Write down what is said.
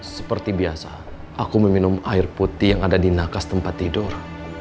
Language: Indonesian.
seperti biasa aku meminum air putih yang ada di nakas tempat tidur